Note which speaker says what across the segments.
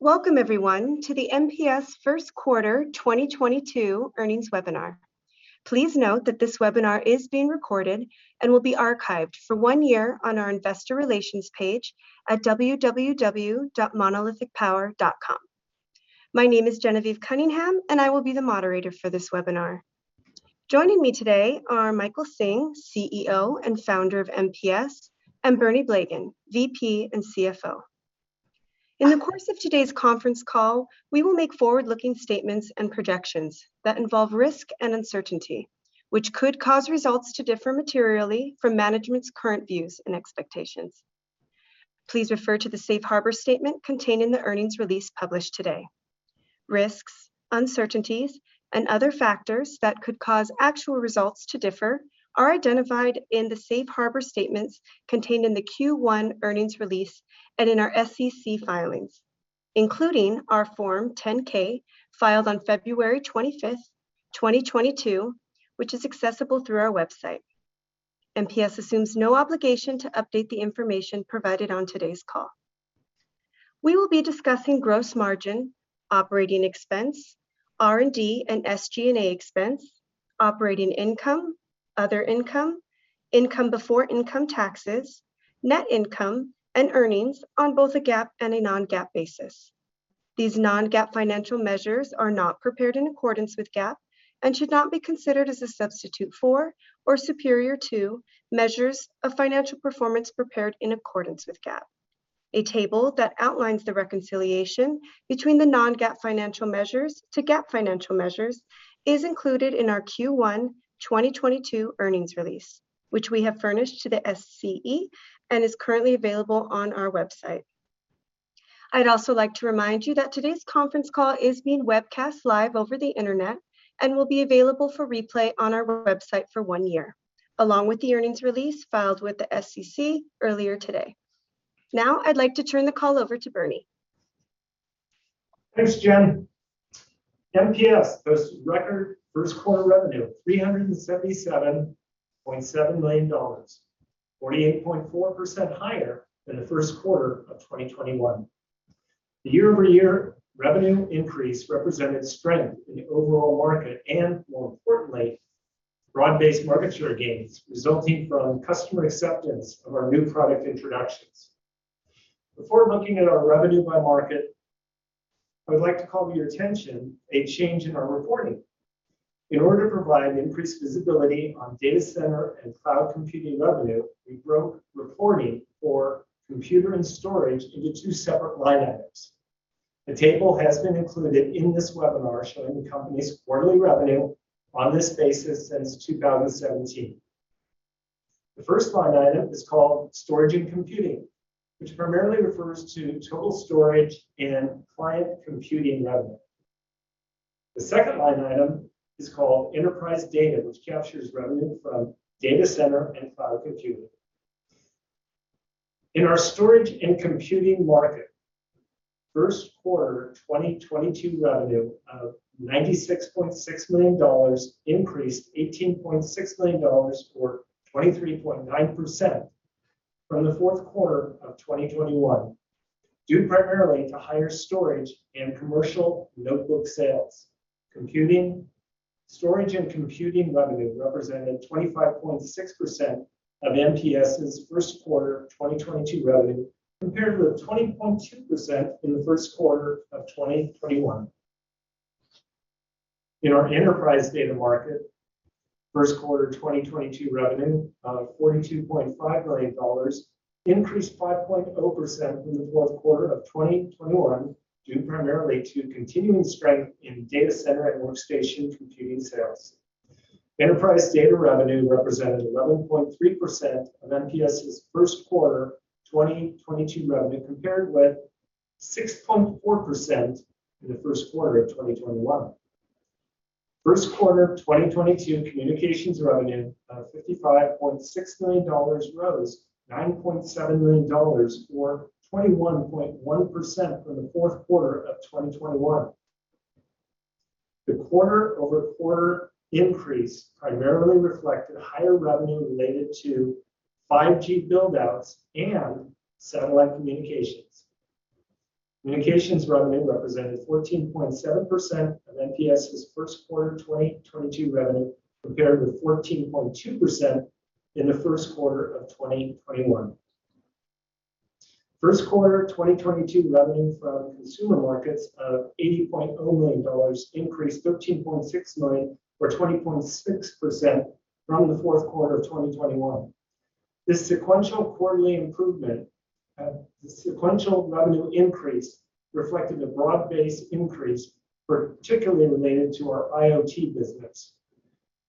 Speaker 1: Welcome everyone to the MPS first quarter 2022 earnings webinar. Please note that this webinar is being recorded and will be archived for one year on our investor relations page at www.monolithicpower.com. My name is Genevieve Cunningham, and I will be the moderator for this webinar. Joining me today are Michael Hsing, CEO and founder of MPS, and Bernie Blegen, VP and CFO. In the course of today's conference call, we will make forward-looking statements and projections that involve risk and uncertainty, which could cause results to differ materially from management's current views and expectations. Please refer to the safe harbor statement contained in the earnings release published today. Risks, uncertainties, and other factors that could cause actual results to differ are identified in the safe harbor statements contained in the Q1 earnings release and in our SEC filings, including our Form 10-K filed on February 25th, 2022, which is accessible through our website. MPS assumes no obligation to update the information provided on today's call. We will be discussing gross margin, operating expense, R&D, and SG&A expense, operating income, other income before income taxes, net income, and earnings on both a GAAP and a non-GAAP basis. These non-GAAP financial measures are not prepared in accordance with GAAP and should not be considered as a substitute for or superior to measures of financial performance prepared in accordance with GAAP. A table that outlines the reconciliation between the non-GAAP financial measures to GAAP financial measures is included in our Q1 2022 earnings release, which we have furnished to the SEC and is currently available on our website. I'd also like to remind you that today's conference call is being webcast live over the internet and will be available for replay on our website for one year, along with the earnings release filed with the SEC earlier today. Now I'd like to turn the call over to Bernie.
Speaker 2: Thanks, Gen. MPS posts record first quarter revenue of $377.7 million, 48.4% higher than the first quarter of 2021. The year-over-year revenue increase represented strength in the overall market and, more importantly, broad-based market share gains resulting from customer acceptance of our new product introductions. Before looking at our revenue by market, I would like to call to your attention a change in our reporting. In order to provide increased visibility on data center and cloud computing revenue, we broke out reporting for computer and storage into two separate line items. The table has been included in this webinar showing the company's quarterly revenue on this basis since 2017. The first line item is called storage and computing, which primarily refers to total storage and client computing revenue. The second line item is called enterprise data, which captures revenue from data center and cloud computing. In our storage and computing market, first quarter 2022 revenue of $96.6 million increased $18.6 million, or 23.9% from the fourth quarter of 2021, due primarily to higher storage and commercial notebook sales. Storage and computing revenue represented 25.6% of MPS's first quarter 2022 revenue, compared with 20.2% in the first quarter of 2021. In our enterprise data market, first quarter 2022 revenue of $42.5 million increased 5.0% from the fourth quarter of 2021, due primarily to continuing strength in data center and workstation computing sales. Enterprise data revenue represented 11.3% of MPS's first quarter 2022 revenue, compared with 6.4% in the first quarter of 2021. First quarter 2022 communications revenue of $55.6 million rose $9.7 million, or 21.1% from the fourth quarter of 2021. The quarter-over-quarter increase primarily reflected higher revenue related to 5G build-outs and satellite communications. Communications revenue represented 14.7% of MPS's first quarter 2022 revenue, compared with 14.2% in the first quarter of 2021. First quarter 2022 revenue from consumer markets of $80.0 million increased $13.6 million, or 20.6% from the fourth quarter of 2021. This sequential quarterly improvement, the sequential revenue increase reflected a broad-based increase, particularly related to our IoT business.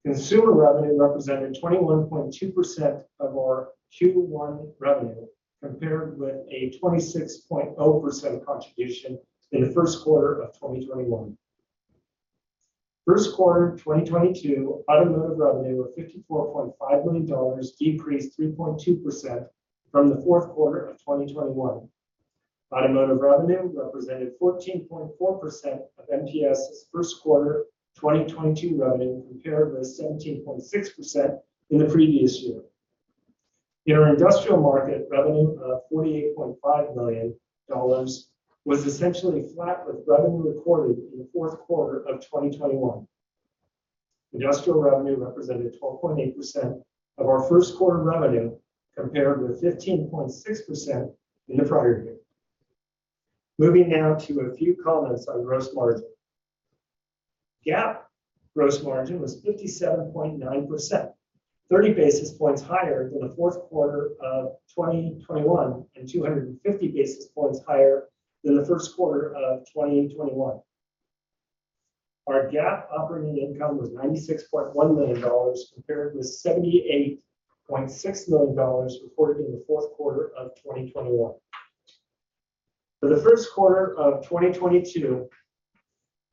Speaker 2: Consumer revenue represented 21.2% of our Q1 revenue, compared with a 26.0% contribution in the first quarter of 2021. First quarter 2022 automotive revenue of $54.5 million decreased 3.2% from the fourth quarter of 2021. Automotive revenue represented 14.4% of MPS's first quarter 2022 revenue, compared with 17.6% in the previous year. In our industrial market, revenue of $48.5 million was essentially flat with revenue recorded in the fourth quarter of 2021. Industrial revenue represented 12.8% of our first quarter revenue, compared with 15.6% in the prior year. Moving now to a few comments on gross margin. GAAP gross margin was 57.9%, 30 basis points higher than the fourth quarter of 2021 and 250 basis points higher than the first quarter of 2021. Our GAAP operating income was $96.1 million compared with $78.6 million reported in the fourth quarter of 2021. For the first quarter of 2022,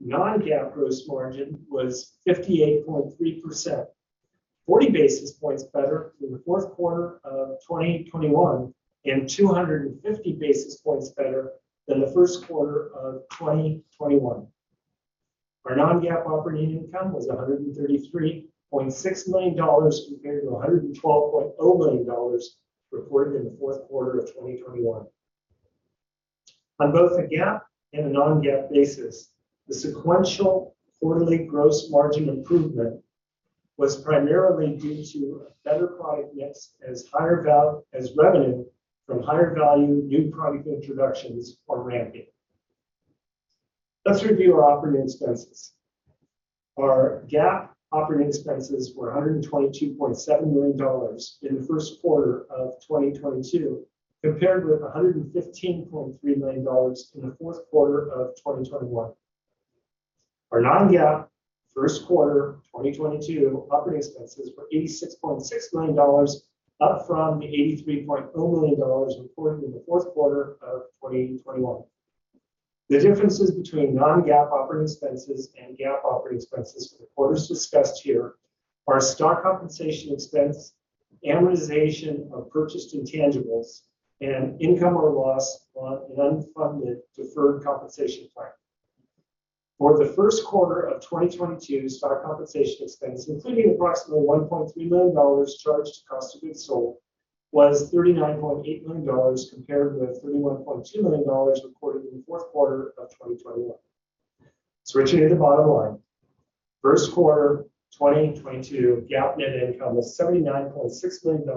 Speaker 2: non-GAAP gross margin was 58.3%, 40 basis points better than the fourth quarter of 2021 and 250 basis points better than the first quarter of 2021. Our non-GAAP operating income was $133.6 million compared to $112.0 million reported in the fourth quarter of 2021. On both a GAAP and a non-GAAP basis, the sequential quarterly gross margin improvement was primarily due to a better product mix as revenue from higher value new product introductions are ramping. Let's review our operating expenses. Our GAAP operating expenses were $122.7 million in the first quarter of 2022, compared with $115.3 million in the fourth quarter of 2021. Our non-GAAP first quarter 2022 operating expenses were $86.6 million, up from the $83.0 million reported in the fourth quarter of 2021. The differences between non-GAAP operating expenses and GAAP operating expenses for the quarters discussed here are stock compensation expense, amortization of purchased intangibles, and income or loss on an unfunded deferred compensation plan. For the first quarter of 2022, stock compensation expense, including approximately $1.3 million charged to cost of goods sold, was $39.8 million compared with $31.2 million recorded in the fourth quarter of 2021. Switching to the bottom line, first quarter 2022 GAAP net income was $79.6 million,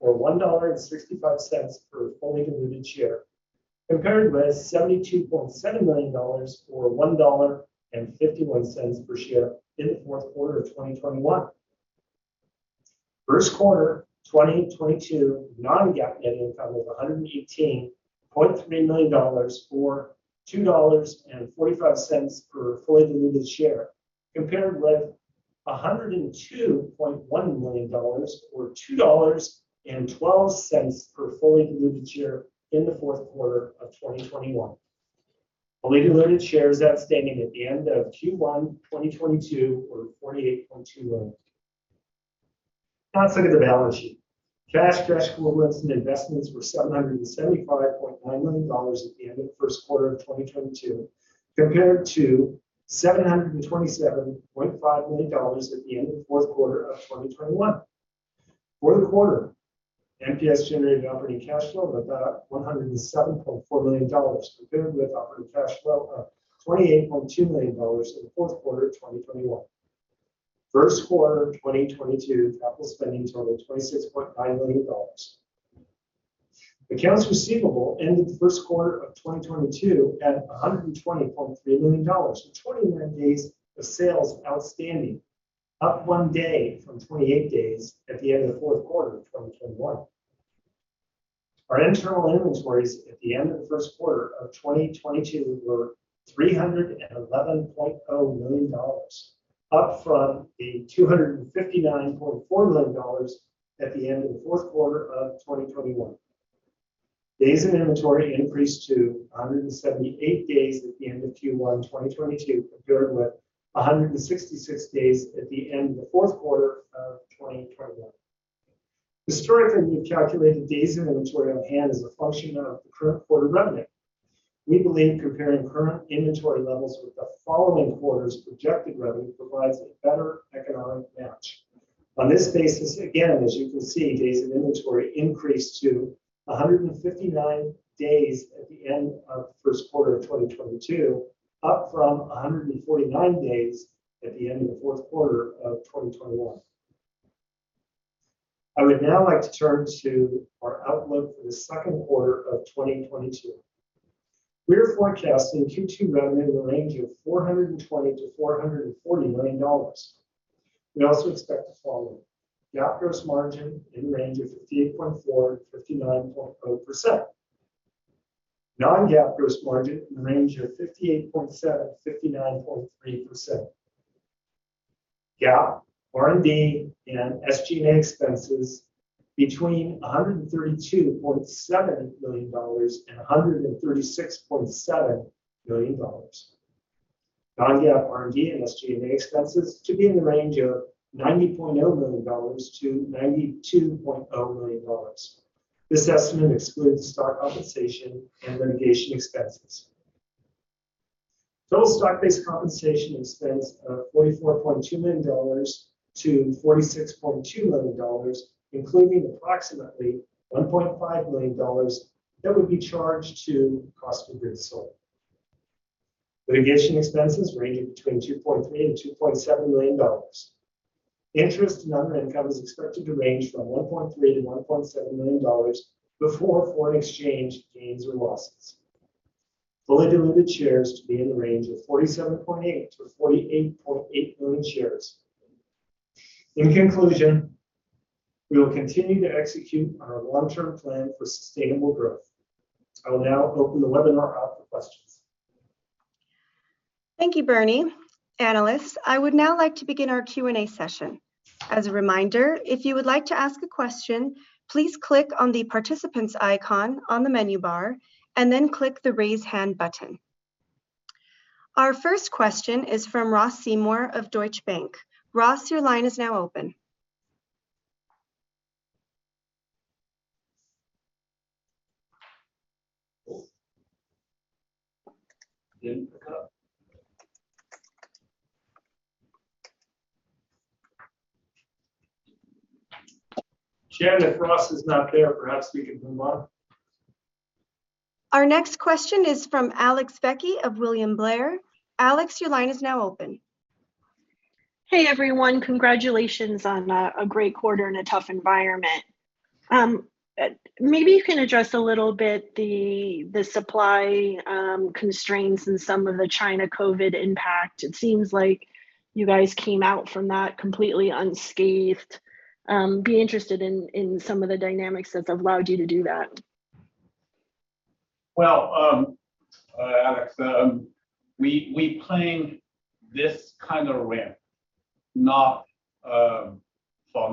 Speaker 2: or $1.65 per fully diluted share, compared with $72.7 million, or $1.51 per share in the fourth quarter of 2021. First quarter 2022 non-GAAP net income was $118.3 million, or $2.45 per fully diluted share, compared with $102.1 million or $2.12 per fully diluted share in the fourth quarter of 2021. Fully diluted shares outstanding at the end of Q1 2022 were $48.2 million. Now let's look at the balance sheet. Cash, cash equivalents, and investments were $775.9 million at the end of the first quarter of 2022, compared to $727.5 million at the end of the fourth quarter of 2021. For the quarter, MPS generated operating cash flow of about $107.4 million, compared with operating cash flow of $28.2 million in the fourth quarter of 2021. First quarter 2022 capital spending totaled $26.9 million. Accounts receivable ended the first quarter of 2022 at $120.3 million with 29 days of sales outstanding, up one day from 28 days at the end of the fourth quarter of 2021. Our internal inventories at the end of the first quarter of 2022 were $311.0 million, up from $259.4 million at the end of the fourth quarter of 2021. Days in inventory increased to 178 days at the end of Q1 2022, compared with 166 days at the end of the fourth quarter of 2021. Historically, we've calculated days in inventory on hand as a function of the current quarter revenue. We believe comparing current inventory levels with the following quarter's projected revenue provides a better economic match. On this basis, again, as you can see, days in inventory increased to 159 days at the end of the first quarter of 2022, up from 149 days at the end of the fourth quarter of 2021. I would now like to turn to our outlook for the second quarter of 2022. We are forecasting Q2 revenue in the range of $420 million-$440 million. We also expect the following. GAAP gross margin in the range of 58.4%-59.0%. Non-GAAP gross margin in the range of 58.7%-59.3%. GAAP R&D and SG&A expenses between $132.7 million and $136.7 million. Non-GAAP R&D and SG&A expenses to be in the range of $90.0 million-$92.0 million. This estimate excludes stock compensation and litigation expenses. Total stock-based compensation expense of $44.2 million-$46.2 million, including approximately $1.5 million that would be charged to cost of goods sold. Litigation expenses ranging between $2.3 million and $2.7 million. Interest and other income is expected to range from $1.3 million-$1.7 million before foreign exchange gains or losses. Fully diluted shares to be in the range of $47.8 million-$48.8 million shares. In conclusion, we will continue to execute our long-term plan for sustainable growth. I will now open the webinar up for questions.
Speaker 1: Thank you, Bernie. Analysts, I would now like to begin our Q&A session. As a reminder, if you would like to ask a question, please click on the participant's icon on the menu bar and then click the Raise Hand button. Our first question is from Ross Seymore of Deutsche Bank. Ross, your line is now open.
Speaker 3: Didn't pick up. Gen, if Ross is not there, perhaps we can move on.
Speaker 1: Our next question is from Alessandra Vecchi of William Blair. Alex, your line is now open.
Speaker 4: Hey everyone. Congratulations on a great quarter in a tough environment. Maybe you can address a little bit the supply constraints in some of the China COVID impact. It seems like you guys came out from that completely unscathed. I'd be interested in some of the dynamics that have allowed you to do that.
Speaker 3: Well, Alessandra Vecchi, we planned this kind of ramp not from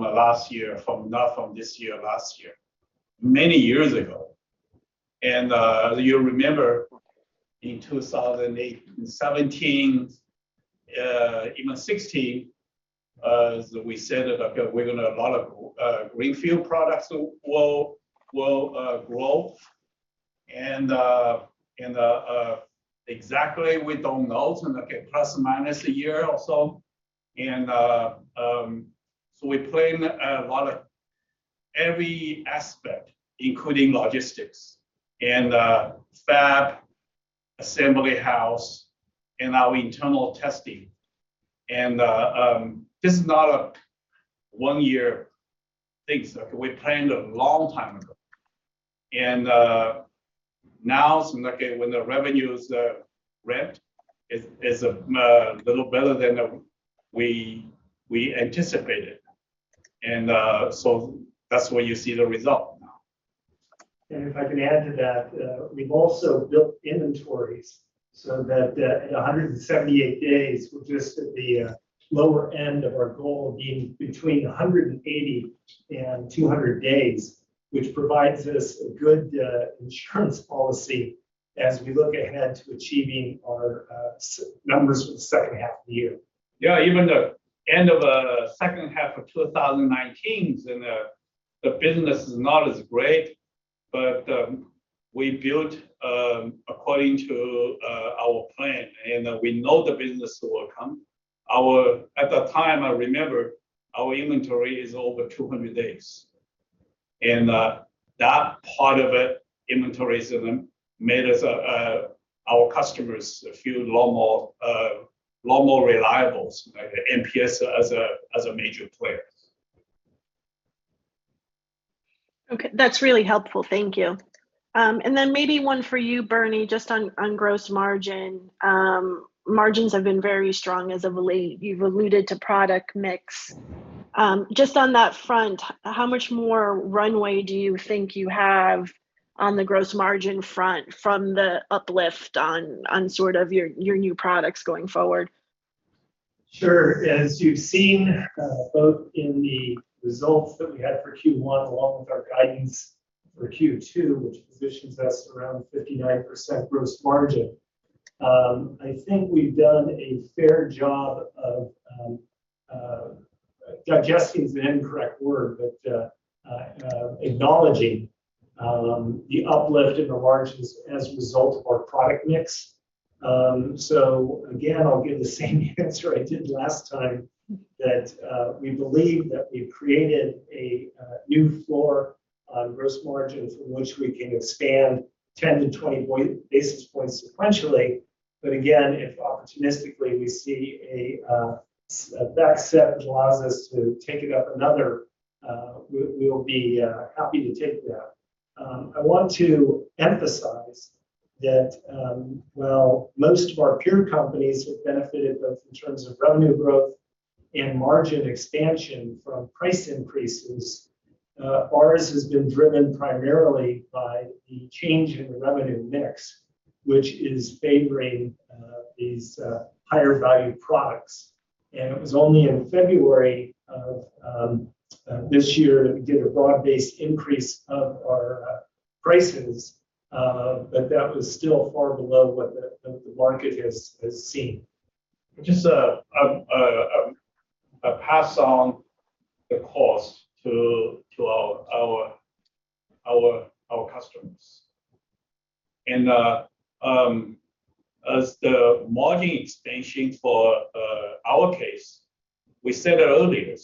Speaker 3: the last year, from not from this year or last year, many years ago. You remember in 2017, even 2016, we said that we're going to a lot of green field products will growth and exactly we don't know. It's going to be plus or minus a year or so. We plan a lot of every aspect, including logistics and fab, assembly house, and our internal testing. This is not a one-year thing. We planned a long time ago. Now some, okay, when the revenues ramp is a little better than we anticipated. That's why you see the result now.
Speaker 2: If I can add to that, we've also built inventories so that at 178 days, we're just at the lower end of our goal being between 180 and 200 days, which provides us a good insurance policy as we look ahead to achieving our numbers for the second half of the year.
Speaker 3: Yeah. Even at the end of the second half of 2019, then the business is not as great, but we built according to our plan, and we know the business will come. At the time, I remember our inventory is over 200 days. That part of it, inventories of them, made our customers feel a lot more reliable, MPS as a major player.
Speaker 4: Okay. That's really helpful. Thank you. Maybe one for you, Bernie, just on gross margin. Margins have been very strong as of late. You've alluded to product mix. Just on that front, how much more runway do you think you have on the gross margin front from the uplift on sort of your new products going forward?
Speaker 2: Sure. As you've seen, both in the results that we had for Q1 along with our guidance for Q2, which positions us around 59% gross margin, I think we've done a fair job of digesting is the incorrect word but acknowledging the uplift in the margins as a result of our product mix. Again, I'll give the same answer I did last time that we believe that we've created a new floor on gross margin from which we can expand 10-20 basis points sequentially. Again, if opportunistically we see a basket which allows us to take it up another, we'll be happy to take that. I want to emphasize that, while most of our peer companies have benefited both in terms of revenue growth and margin expansion from price increases, ours has been driven primarily by the change in revenue mix, which is favoring these higher value products. It was only in February of this year that we did a broad-based increase of our prices. That was still far below what the market has seen.
Speaker 3: Just a pass on the cost to our customers. As the margin expansion in our case, we said earlier,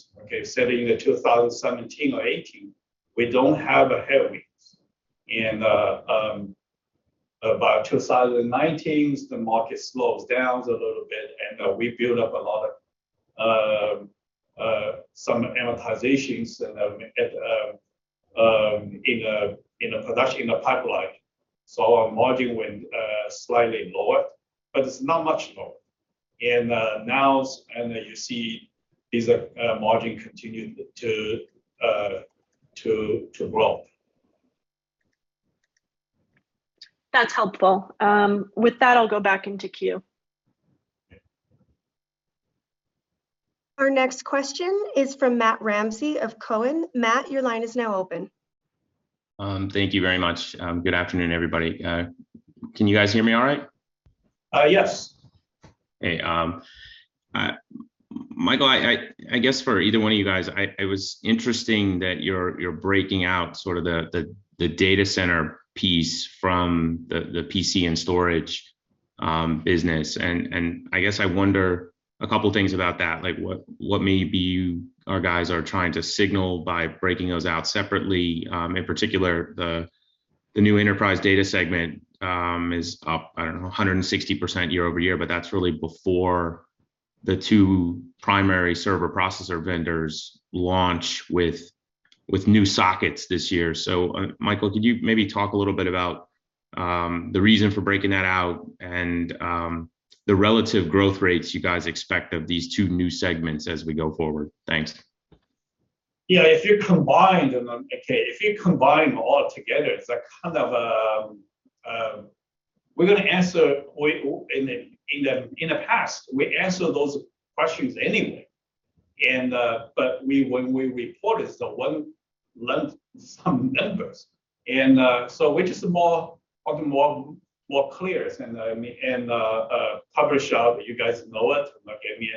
Speaker 3: said in 2017 or 2018, we don't have a headwind. About 2019, the market slows down a little bit, and we build up a lot of amortizations and inventory in the pipeline. Our margin went slightly lower, but it's not much lower. Now you see these margins continue to grow.
Speaker 4: That's helpful. With that, I'll go back into queue.
Speaker 3: Okay.
Speaker 1: Our next question is from Matthew Ramsay of TD Cowen. Matt, your line is now open.
Speaker 5: Thank you very much. Good afternoon, everybody. Can you guys hear me all right?
Speaker 3: Yes.
Speaker 5: Hey, Michael, I guess for either one of you guys, it was interesting that you're breaking out sort of the data center piece from the PC and storage business. I guess I wonder a couple things about that, like what maybe you guys are trying to signal by breaking those out separately. In particular, the new enterprise data segment is up, I don't know, 160% year-over-year, but that's really before the two primary server processor vendors launch with new sockets this year. Michael, could you maybe talk a little bit about the reason for breaking that out and the relative growth rates you guys expect of these two new segments as we go forward? Thanks.
Speaker 3: Yeah, if you combine them all together, it's a kind of. In the past, we answered those questions anyway. When we report it, so one line, some numbers. Which is more often more clear and, I mean, put it out, you guys know it. We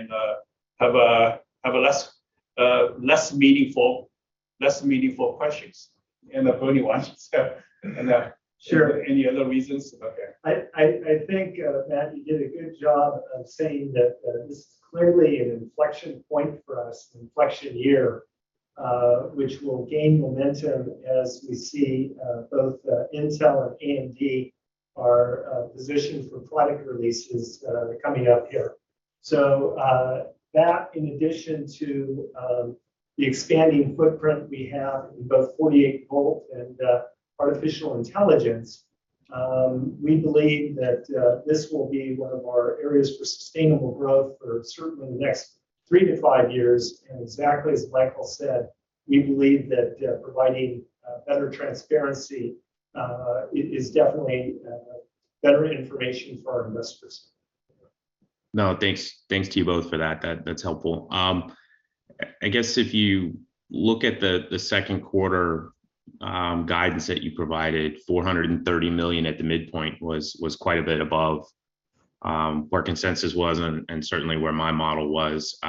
Speaker 3: have less meaningful questions. Bernie wants to step in now.
Speaker 2: Sure.
Speaker 3: Any other reasons? Okay.
Speaker 2: I think Matt you did a good job of saying that this is clearly an inflection point for us, inflection year, which will gain momentum as we see both Intel and AMD are positioned for product releases coming up here. That in addition to the expanding footprint we have in both 48-volt and artificial intelligence, we believe that this will be one of our areas for sustainable growth for certainly the next three to five years. Exactly as Michael said, we believe that providing better transparency is definitely better information for our investors.
Speaker 5: No, thanks. Thanks to you both for that. That's helpful. I guess if you look at the second quarter guidance that you provided, $430 million at the midpoint was quite a bit above where consensus was and certainly where my model was.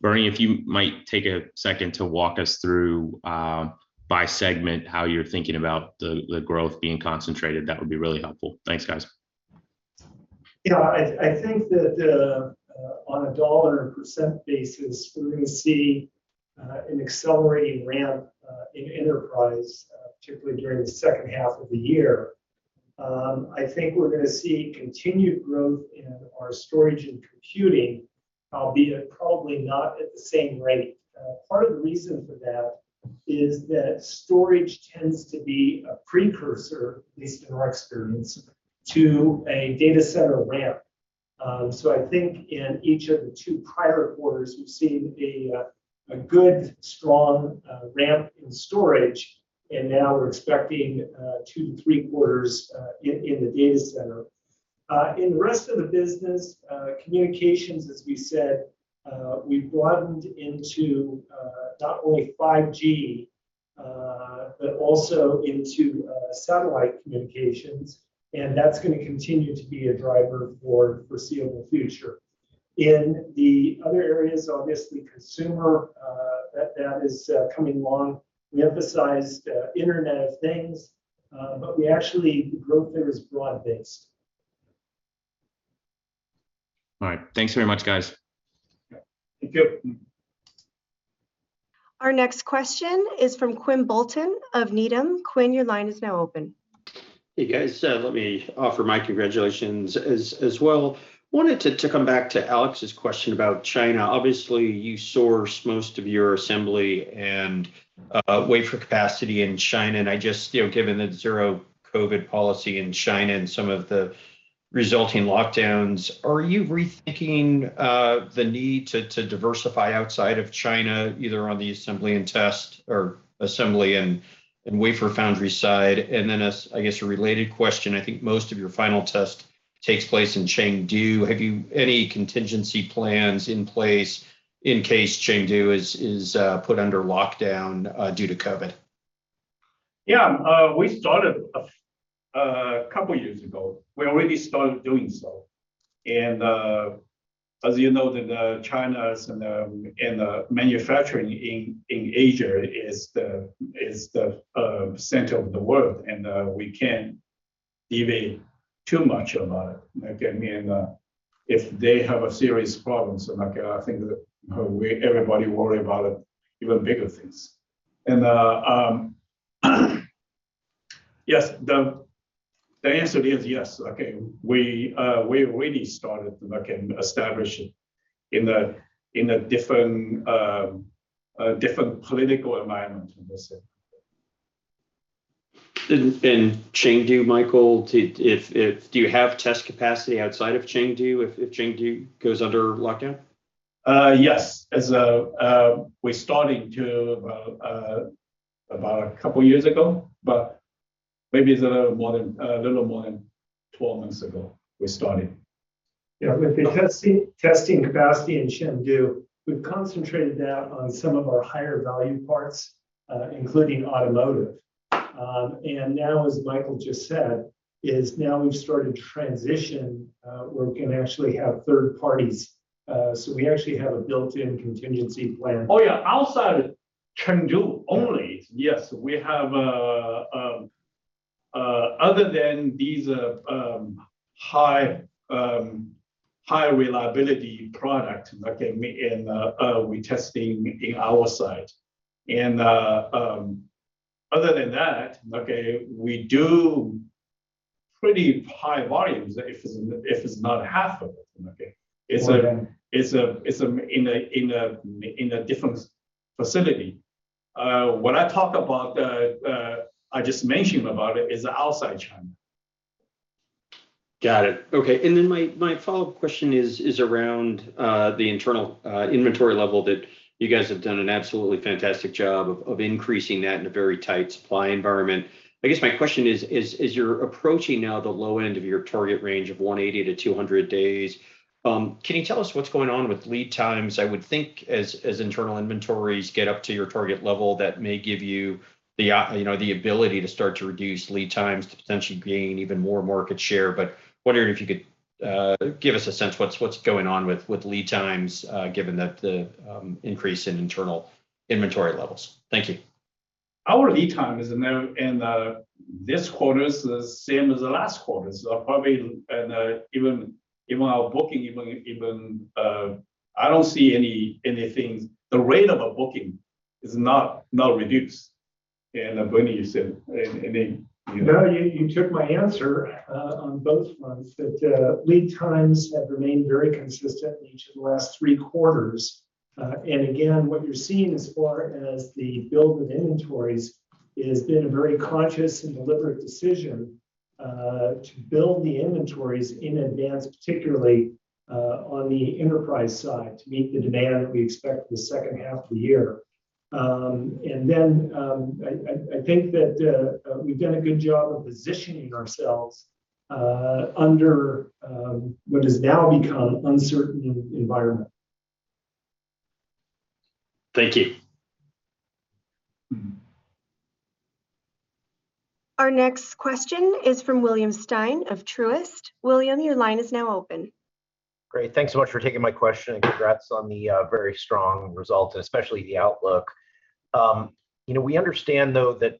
Speaker 5: Bernie, if you might take a second to walk us through by segment, how you're thinking about the growth being concentrated, that would be really helpful. Thanks, guys.
Speaker 2: Yeah. I think that on a dollar and percent basis, we're going to see an accelerating ramp in enterprise, particularly during the second half of the year. I think we're going to see continued growth in our storage and computing, albeit probably not at the same rate. Part of the reason for that is that storage tends to be a precursor, at least in our experience, to a data center ramp. I think in each of the two prior quarters, we've seen a good strong ramp in storage, and now we're expecting two to three quarters in the data center. In the rest of the business, communications, as we said, we've broadened into not only 5G but also into satellite communications, and that's gonna continue to be a driver for foreseeable future. In the other areas, obviously consumer, that is coming along. We emphasized Internet of Things, we actually growth there is broad-based.
Speaker 5: All right. Thanks very much, guys.
Speaker 3: Thank you.
Speaker 1: Our next question is from Quinn Bolton of Needham. Quinn, your line is now open.
Speaker 6: Hey, guys. Let me offer my congratulations as well. Wanted to come back to Alex's question about China. Obviously, you source most of your assembly and wafer capacity in China, and I just, you know, given the zero COVID policy in China and some of the resulting lockdowns, are you rethinking the need to diversify outside of China, either on the assembly and test or assembly and wafer foundry side? Then as, I guess, a related question, I think most of your final test takes place in Chengdu. Have you any contingency plans in place in case Chengdu is put under lockdown due to COVID?
Speaker 3: Yeah. We started a couple years ago. We already started doing so. As you know that China is and manufacturing in Asia is the center of the world, and we can't elaborate too much about it. Okay? I mean, if they have a serious problem, so like I think that everybody worry about even bigger things. Yes, the answer is yes. Okay, we already started looking, establishing in a different political environment in this.
Speaker 6: In Chengdu, Michael, do you have test capacity outside of Chengdu if Chengdu goes under lockdown?
Speaker 3: Yes. As of about a couple years ago, but maybe it's a little more than 12 months ago we started.
Speaker 2: Yeah. With the testing capacity in Chengdu, we've concentrated that on some of our higher value parts, including automotive. Now, as Michael just said, is now we've started transition, where we can actually have third parties. We actually have a built-in contingency plan.
Speaker 3: Oh, yeah. Outside Chengdu only, yes, we have other than these high reliability product, okay, we testing in our site. Other than that, okay, we do pretty high volumes if it's not half of it. Okay?
Speaker 2: More than.
Speaker 3: It's in a different facility. When I talk about it, I just mentioned about it is outside China.
Speaker 6: Got it. Okay. My follow-up question is around the internal inventory level that you guys have done an absolutely fantastic job of increasing that in a very tight supply environment. I guess my question is, as you're approaching now the low end of your target range of 180-200 days, can you tell us what's going on with lead times? I would think as internal inventories get up to your target level, that may give you the, you know, the ability to start to reduce lead times to potentially gain even more market share. Wondering if you could give us a sense what's going on with lead times, given that the increase in internal inventory levels. Thank you.
Speaker 3: Our lead time in this quarter is the same as the last quarter. Probably even our booking. I don't see anything. The rate of a booking is not reduced. Bernie, you said, and then you.
Speaker 2: No, you took my answer on both fronts that lead times have remained very consistent in each of the last three quarters. What you're seeing as far as the build with inventories, it has been a very conscious and deliberate decision to build the inventories in advance, particularly on the enterprise side to meet the demand we expect the second half of the year. I think that we've done a good job of positioning ourselves under what has now become uncertain environment.
Speaker 6: Thank you.
Speaker 3: Mm-hmm.
Speaker 1: Our next question is from William Stein of Truist. William, your line is now open.
Speaker 7: Great. Thanks so much for taking my question, and congrats on the very strong result, and especially the outlook. You know, we understand though that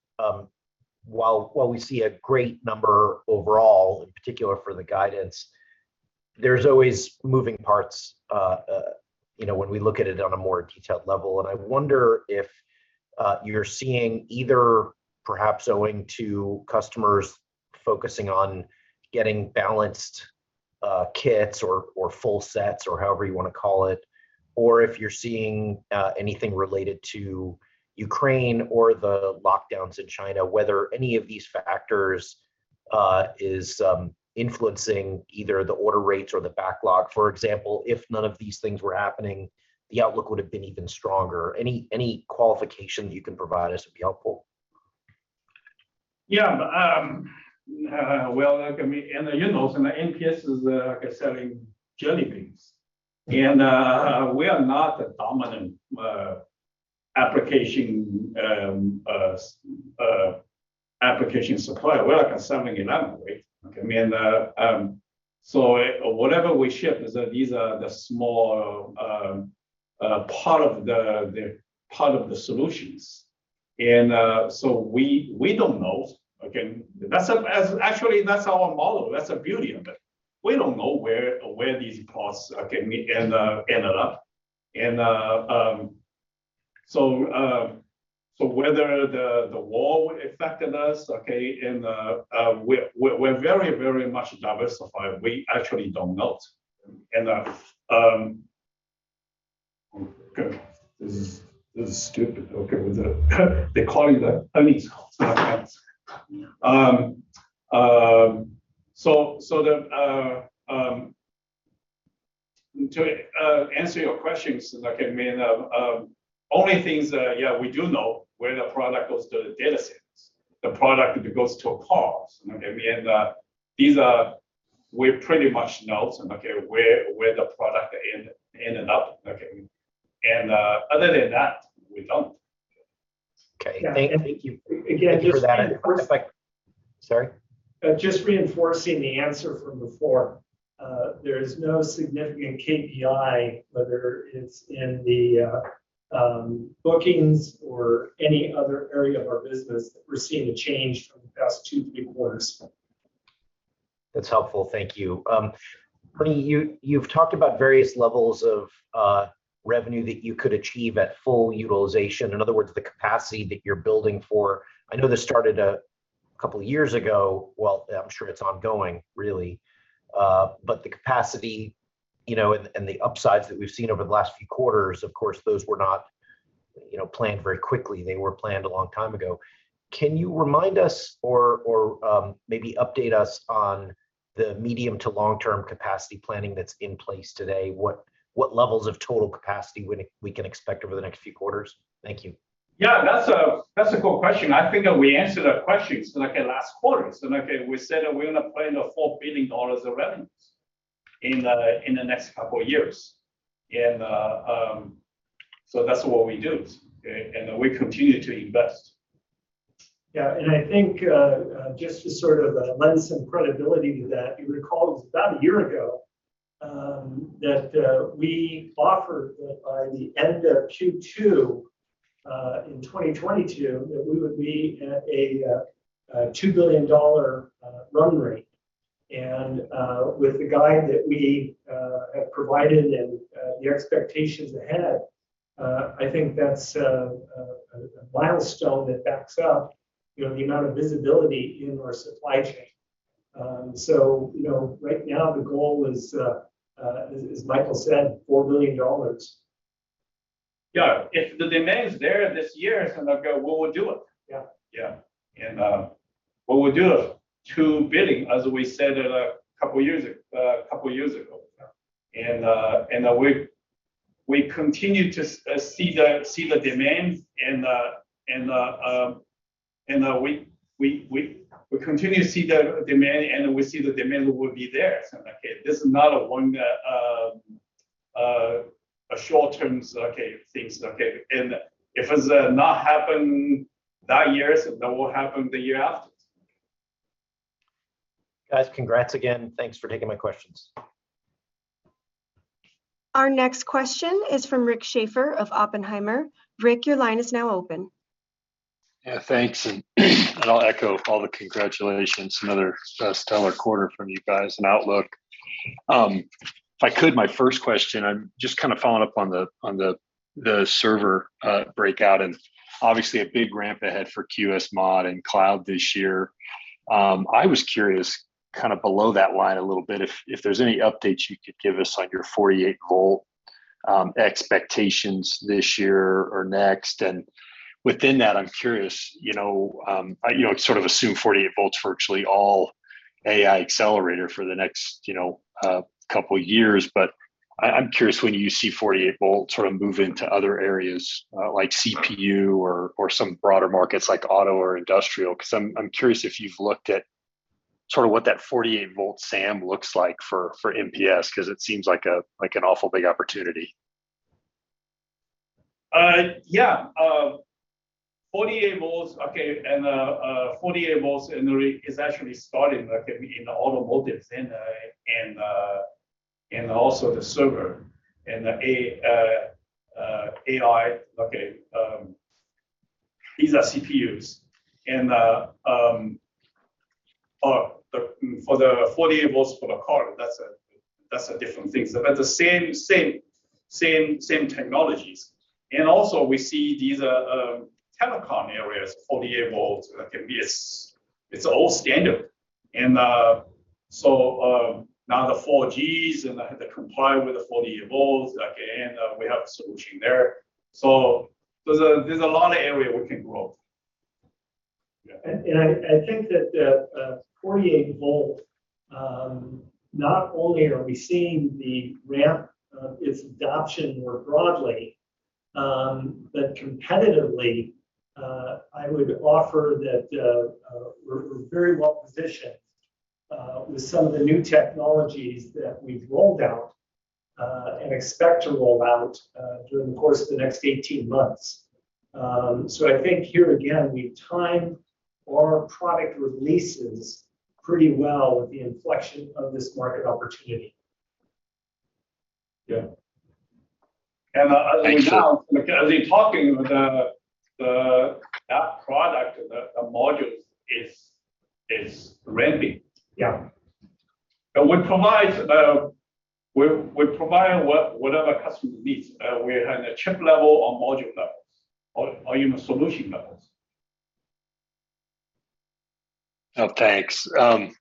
Speaker 7: while we see a great number overall, in particular for the guidance, there's always moving parts, you know, when we look at it on a more detailed level. I wonder if you're seeing either perhaps owing to customers focusing on getting balanced kits or full sets or however you want to call it, or if you're seeing anything related to Ukraine or the lockdowns in China, whether any of these factors is influencing either the order rates or the backlog. For example, if none of these things were happening, the outlook would've been even stronger. Any qualification you can provide us would be helpful.
Speaker 3: Yeah. Well, I mean, you know, the MPS is like selling jellybeans. We are not a dominant application supplier. We're like selling in that way. I mean, whatever we ship is that these are the small part of the solutions. We don't know. That's actually our model. That's the beauty of it. We don't know where these parts ended up. Whether the war affected us, and we're very much diversified, we actually don't know. This is stupid. With that, they're calling the earnings. To answer your questions, like, I mean, only things that yeah we do know where the product goes to the data centers. The product, it goes to a customer. Okay. I mean, we pretty much know, okay, where the product ended up. Okay. Other than that, we don't.
Speaker 7: Okay. Thank you.
Speaker 2: Again, just.
Speaker 7: Thank you for that insight. Sorry?
Speaker 2: Just reinforcing the answer from before. There is no significant KPI, whether it's in the bookings or any other area of our business that we're seeing a change from the past two to three quarters.
Speaker 7: That's helpful, thank you. Michael Hsing, you've talked about various levels of revenue that you could achieve at full utilization. In other words, the capacity that you're building for. I know this started a couple of years ago, well, I'm sure it's ongoing really. The capacity, you know, and the upsides that we've seen over the last few quarters, of course, those were not, you know, planned very quickly. They were planned a long time ago. Can you remind us or maybe update us on the medium to long-term capacity planning that's in place today? What levels of total capacity we can expect over the next few quarters? Thank you.
Speaker 3: Yeah, that's a good question. I think that we answered that question, okay, last quarter. We said that we're gonna plan $4 billion of revenues in the next couple of years. That's what we do, okay? We continue to invest.
Speaker 2: Yeah. I think just to sort of lend some credibility to that, you recall it was about a year ago that we offered that by the end of Q2 in 2022 that we would be at a $2 billion run rate. With the guidance that we have provided and the expectations ahead, I think that's a milestone that backs up, you know, the amount of visibility in our supply chain. You know, right now the goal is, as Michael said, $4 billion.
Speaker 3: Yeah, if the demand is there this year, then okay, we will do it.
Speaker 2: Yeah.
Speaker 3: Yeah, we do it $2 billion, as we said a couple years ago.
Speaker 2: Yeah.
Speaker 3: We continue to see the demand and we see the demand will be there. Okay, this is not a one a short-term things. Okay. If it's not happen that years, then it will happen the year after.
Speaker 7: Guys, congrats again. Thanks for taking my questions.
Speaker 1: Our next question is from Rick Schafer of Oppenheimer. Rick, your line is now open.
Speaker 8: Yeah, thanks. I'll echo all the congratulations. Another stellar quarter from you guys and outlook. If I could, my first question, I'm just kind of following up on the server breakout, and obviously a big ramp ahead for QSMod and cloud this year. I was curious, kind of below that line a little bit, if there's any updates you could give us on your 48 volts goal expectations this year or next. Within that, I'm curious, you know, sort of assume 48 volts virtually all AI accelerator for the next, you know, couple of years. I'm curious when you see 48-volt sort of move into other areas, like CPU or some broader markets like auto or industrial, cause I'm curious if you've looked at sort of what that 48-volt SAM looks like for MPS, cause it seems like an awful big opportunity.
Speaker 3: Yeah. 48 volts, okay, and 48 volts and really is actually starting, like, in the automotive and also the server and the AI, okay, these are CPUs and or the, for the 48 volts for the car, that's a different thing. The same technologies. We see these telecom areas; 48 volts can be a standard. Now the 48 volts and they comply with the 48 volts, okay, and we have solution there. There's a lot of area we can grow.
Speaker 2: Yeah. I think that the 48-volt, not only are we seeing the ramp of its adoption more broadly, but competitively, I would offer that, we're very well positioned, with some of the new technologies that we've rolled out, and expect to roll out, during the course of the next 18 months. I think here again, we time our product releases pretty well with the inflection of this market opportunity.
Speaker 3: Yeah.
Speaker 8: Thank you.
Speaker 3: As we're talking, that product, the modules is ramping.
Speaker 2: Yeah.
Speaker 3: We provide whatever customer needs. We're at a chip level or module levels or even solution levels.
Speaker 8: Oh, thanks. Then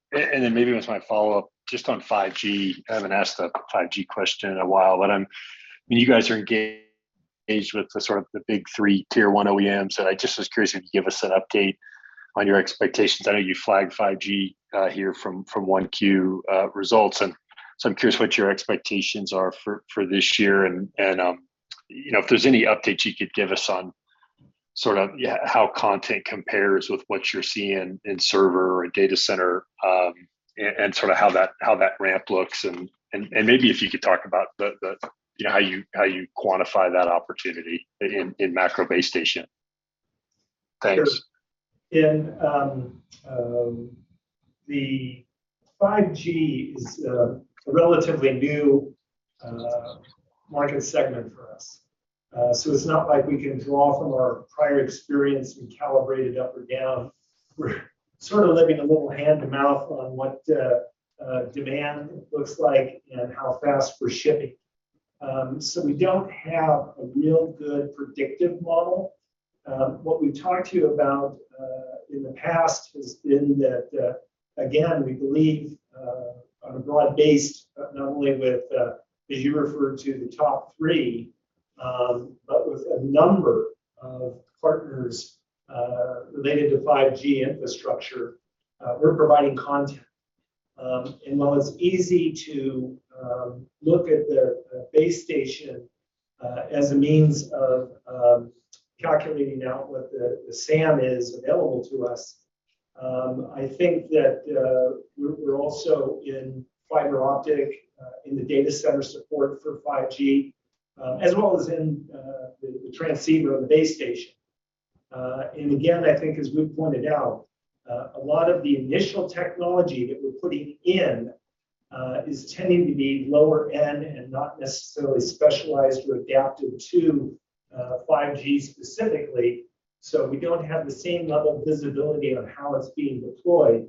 Speaker 8: maybe with my follow-up, just on 5G. I haven't asked a 5G question in a while, but I mean, you guys are engaged with the sort of the big three tier one OEMs, and I just was curious if you could give us an update on your expectations. I know you flagged 5G here from 1Q results. I'm curious what your expectations are for this year and you know, if there's any updates you could give us on sort of yeah, how content compares with what you're seeing in server or data center. Sort of how that ramp looks and maybe if you could talk about the, you know, how you quantify that opportunity in macro base station. Thanks.
Speaker 2: Sure. In the 5G is a relatively new market segment for us. It's not like we can draw from our prior experience, we calibrate it up or down. We're sort of living a little hand-to-mouth on what the demand looks like and how fast we're shipping. We don't have a real good predictive model. What we talked to you about in the past has been that, again, we believe on a broad base, not only with, as you referred to the top three, but with a number of partners, related to 5G infrastructure, we're providing content. While it's easy to look at the base station as a means of calculating out what the SAM is available to us, I think that we're also in fiber optic in the data center support for 5G as well as in the transceiver on the base station. Again, I think as we've pointed out, a lot of the initial technology that we're putting in is tending to be lower end and not necessarily specialized or adapted to 5G specifically, so we don't have the same level of visibility on how it's being deployed.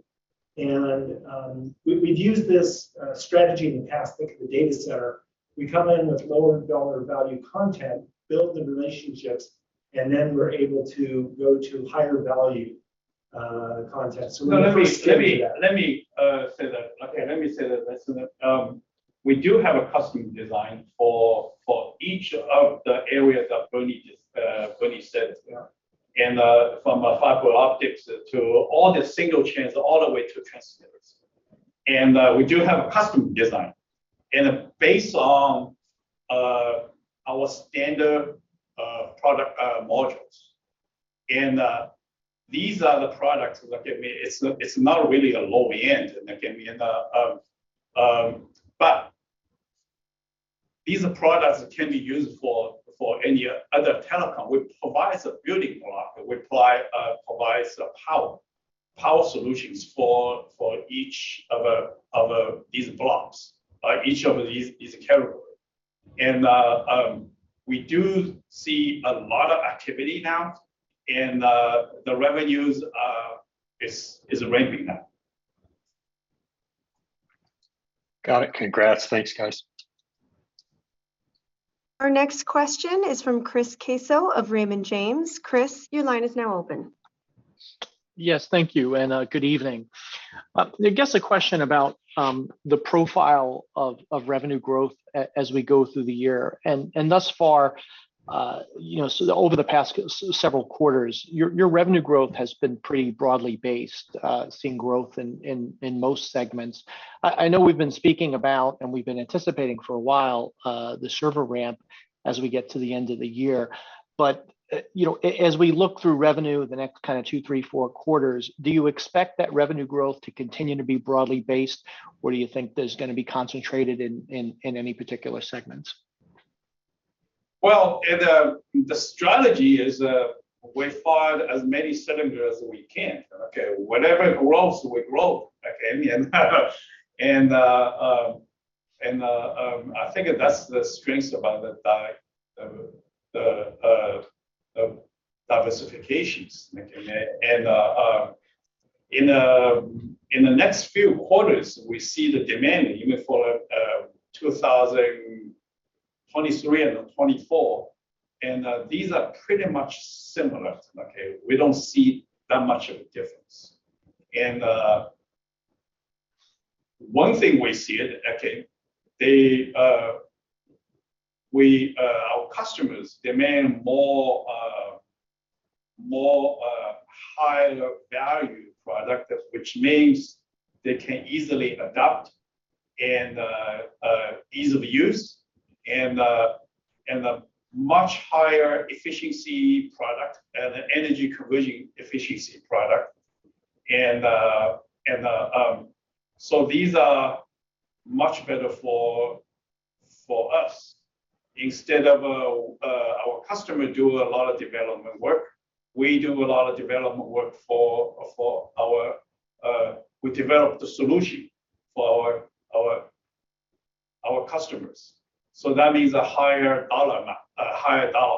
Speaker 2: We've used this strategy in the past, think of the data center. We come in with lower dollar value content, build the relationships, and then we're able to go to higher value content.
Speaker 3: No, let me say that. Let's do that. We do have a custom design for each of the areas that Bernie just said.
Speaker 2: Yeah.
Speaker 3: From fiber optics to all the signal chains all the way to transceivers. We do have a custom design. Based on our standard product modules, and these are the products. It's not really a low-end that can be in the. These are products that can be used for any other telecom. We provide a building block. We provide some power solutions for each of these blocks, each of these category. We do see a lot of activity now, and the revenues is ramping up.
Speaker 8: Got it. Congrats. Thanks, guys.
Speaker 1: Our next question is from Chris Caso of Raymond James. Chris, your line is now open.
Speaker 9: Yes. Thank you, and good evening. I guess a question about the profile of revenue growth as we go through the year. Thus far, you know, so over the past several quarters, your revenue growth has been pretty broadly based, seeing growth in most segments. I know we've been speaking about, and we've been anticipating for a while, the server ramp as we get to the end of the year. You know, as we look through revenue the next kind of two, three, four quarters, do you expect that revenue growth to continue to be broadly based, or do you think that it's going to be concentrated in any particular segments?
Speaker 3: The strategy is we fire as many cylinders as we can. Okay, whatever grows, we grow. Okay, I think that's the strength about the diversifications. In the next few quarters, we see the demand even for 2023 and 2024, and these are pretty much similar. Okay. We don't see that much of a difference. One thing we see, okay, our customers demand more higher value product, which means they can easily adopt and ease of use and a much higher efficiency product and an energy conversion efficiency product. These are much better for us. Instead of our customers do a lot of development work, we do a lot of development work. We develop the solution for our customers. That means a higher dollar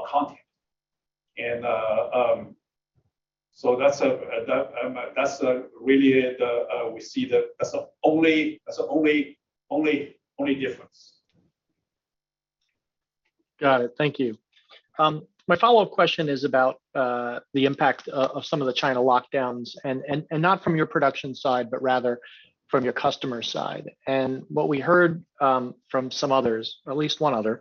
Speaker 3: content. That's really the only difference we see.
Speaker 9: Got it. Thank you. My follow-up question is about the impact of some of the China lockdowns and not from your production side, but rather from your customer side. What we heard from some others, or at least one other,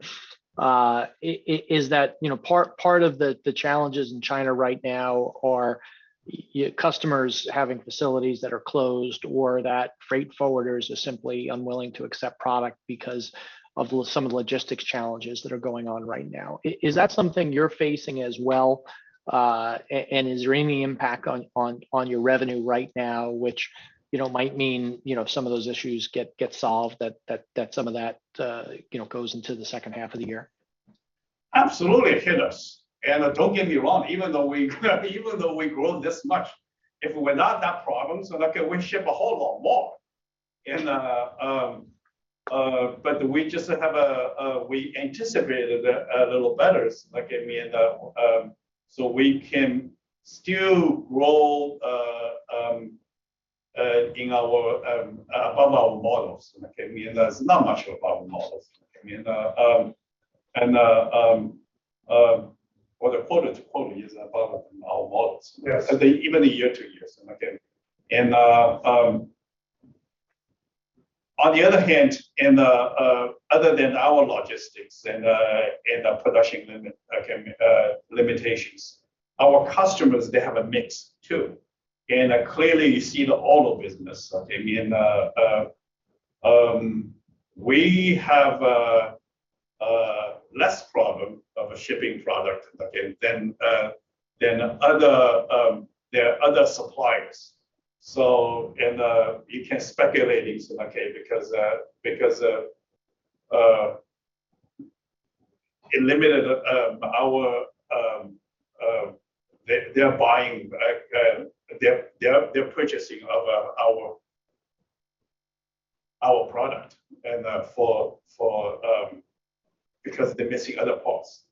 Speaker 9: is that, you know, part of the challenges in China right now are your customers having facilities that are closed or that freight forwarders are simply unwilling to accept product because of some of the logistics challenges that are going on right now. Is that something you're facing as well? And is there any impact on your revenue right now, which, you know, might mean, you know, if some of those issues get solved that some of that, you know, goes into the second half of the year?
Speaker 3: Absolutely it hit us. Don't get me wrong, even though we grow this much, if we're not that problem, so like we ship a whole lot more in, but we just have, we anticipated a little better, like, I mean, so we can still roll above our models. Okay. I mean, that's not much above our models. I mean, or the quote unquote is above our models.
Speaker 2: Yes.
Speaker 3: Even a year, two years. On the other hand, other than our logistics and production limitations, our customers, they have a mix too. Clearly you see the auto business. I mean, we have less of a problem shipping product than their other suppliers. You can speculate because it limited their purchasing of our product and because they're missing other parts.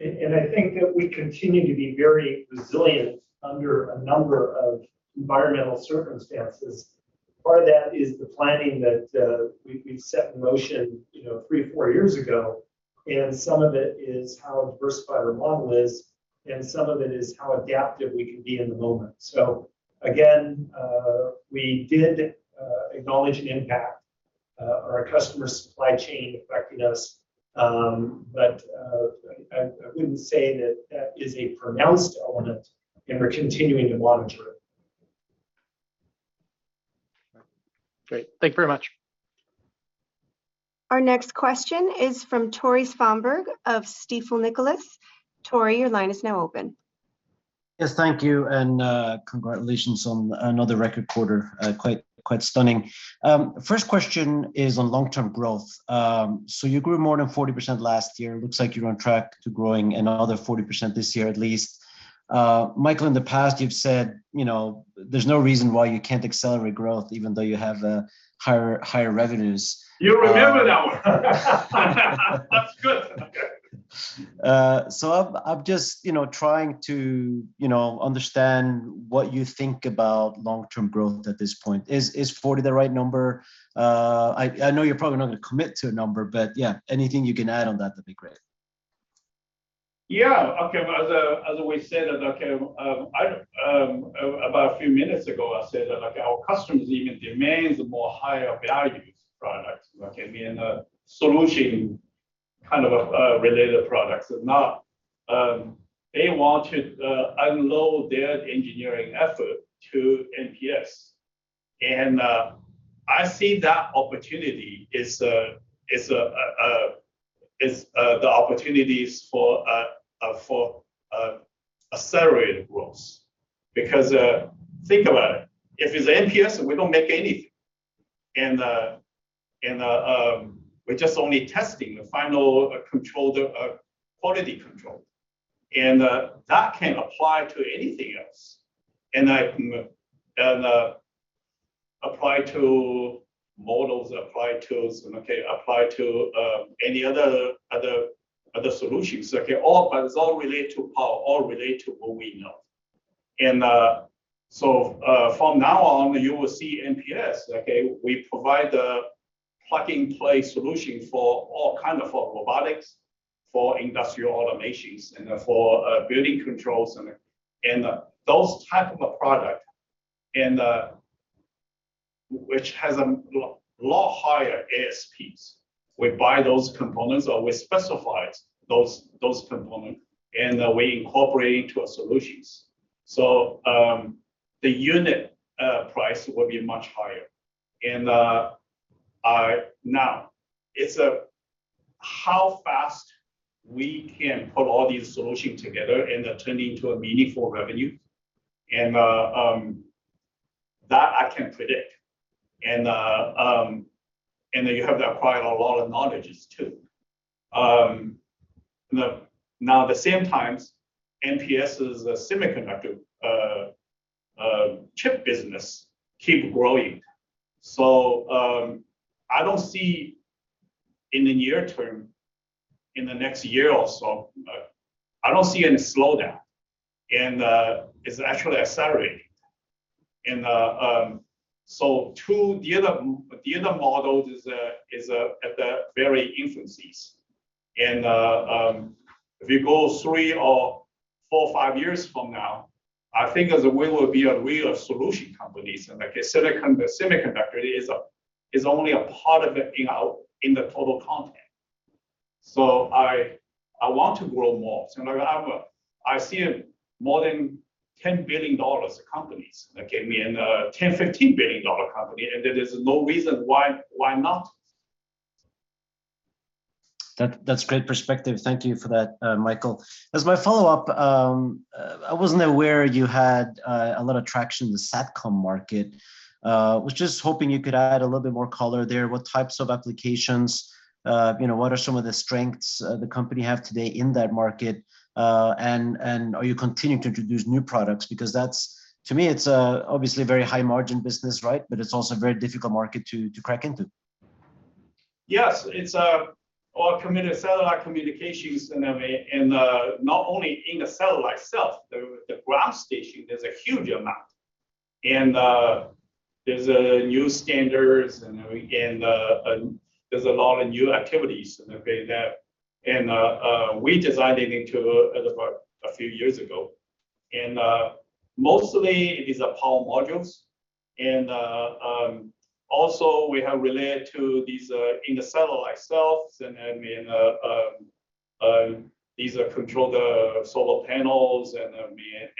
Speaker 2: I think that we continue to be very resilient under a number of environmental circumstances. Part of that is the planning that we've set in motion, you know, three, four years ago. Some of it is how diversified our model is, and some of it is how adaptive we can be in the moment. We did acknowledge an impact, our customer supply chain affecting us. I wouldn't say that that is a pronounced element and we're continuing to monitor it.
Speaker 3: Great. Thank you very much.
Speaker 1: Our next question is from Tore Svanberg of Stifel Nicolaus. Tore, your line is now open.
Speaker 10: Yes, thank you, and congratulations on another record quarter. Quite stunning. First question is on long-term growth. You grew more than 40% last year. It looks like you're on track to growing another 40% this year at least. Michael, in the past you've said, you know, there's no reason why you can't accelerate growth even though you have higher revenues.
Speaker 3: You remember that one. That's good.
Speaker 10: I'm just, you know, trying to, you know, understand what you think about long-term growth at this point. Is 40% the right number? I know you're probably not gonna commit to a number, but yeah, anything you can add on that'd be great.
Speaker 3: Yeah. Okay. As we said, about a few minutes ago, I said that like our customers even demands more higher values products. Okay. I mean, solution kind of related products. Now, they want to unload their engineering effort to MPS. I see that opportunity is the opportunities for accelerated growth. Because, think about it, if it's MPS and we don't make anything and we're just only testing the final control quality control, and that can apply to anything else. Apply to models, apply to any other solutions. Okay. All, but it's all related to power, all related to what we know. From now on, you will see MPS. Okay, we provide the plug-and-play solution for all kind of robotics, for industrial automations, and for building controls, and those type of a product, which has a lot higher ASPs. We buy those components, or we specify those components, and we incorporate to our solutions. The unit price will be much higher. Now it's how fast we can put all these solutions together and turning to a meaningful revenue, and that I can predict. You have to acquire a lot of knowledges too. Now the same times MPS's semiconductor chip business keep growing. I don't see in the near term, in the next year or so, I don't see any slowdown, and it's actually accelerating. Too, the other models is at the very infancy. If you go three or four, five years from now, I think as we will be a real solution companies, and like a silicon, the semiconductor is only a part of it in the total content. I want to grow more. In other words, I see more than $10 billion companies, okay, I mean, $10-$15 billion company, and there is no reason why not?
Speaker 10: That's great perspective. Thank you for that, Michael. As my follow-up, I wasn't aware you had a lot of traction in the SatCom market. Was just hoping you could add a little bit more color there. What types of applications, you know, what are some of the strengths the company have today in that market, and are you continuing to introduce new products? Because that's to me, it's obviously a very high margin business, right? But it's also a very difficult market to crack into.
Speaker 3: Yes. It's all committed satellite communications, not only in the satellite itself, the ground station. There's a huge amount and there's a new standards and there's a lot of new activities and they're very low. We decided to get into it a few years ago, and mostly it is a power modules and also we have relays to these in the satellite cells and these control the solar panels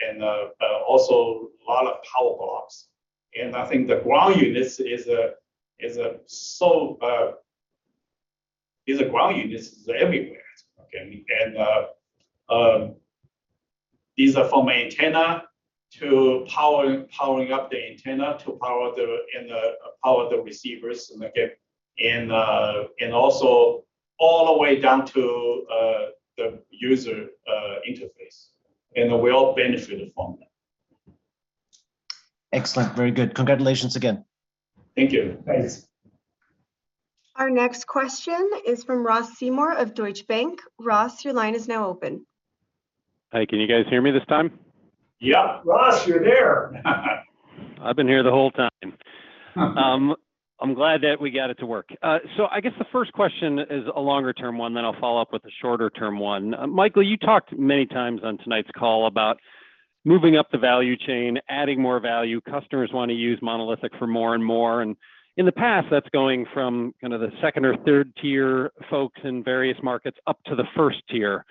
Speaker 3: and also a lot of power blocks. I think the ground units is a ground unit is everywhere. Okay. These are from antenna to power, powering up the antenna to power the receivers and also all the way down to the user interface and we all benefited from that.
Speaker 10: Excellent. Very good. Congratulations again.
Speaker 3: Thank you.
Speaker 10: Thanks.
Speaker 1: Our next question is from Ross Seymore of Deutsche Bank. Ross, your line is now open.
Speaker 11: Hi. Can you guys hear me this time?
Speaker 3: Yeah.
Speaker 2: Ross, you're there.
Speaker 11: I've been here the whole time. I'm glad that we got it to work. I guess the first question is a longer term one, then I'll follow up with a shorter term one. Michael, you talked many times on tonight's call about moving up the value chain, adding more value. Customers wanna use Monolithic for more and more, and in the past, that's going from kind of the second or third tier folks in various markets up to the first tier.